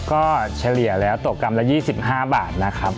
ก็เฉลี่ยแล้วตกกรัมละ๒๕บาทนะครับ